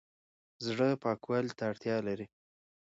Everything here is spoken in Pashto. زړه پاکوالي ته اړتیا لري